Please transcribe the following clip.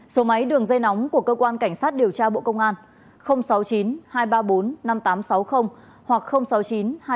số máy đường dây nóng của cơ quan cảnh sát điều tra bộ công an sáu mươi chín hai trăm ba mươi bốn năm nghìn tám trăm sáu mươi hoặc sáu mươi chín hai trăm ba mươi hai một nghìn sáu trăm